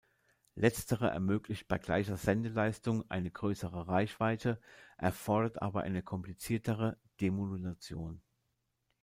Letztere ermöglicht bei gleicher Sendeleistung eine größere Reichweite, erfordert aber eine kompliziertere Demodulation.